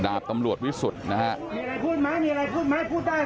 ดาบตำรวจวิสุทธิ์นะครับ